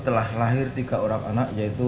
telah lahir tiga orang anak yaitu